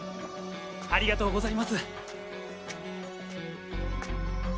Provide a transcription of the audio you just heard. ありがとうございます。